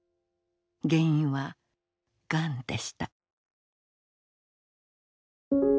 原因はがんでした。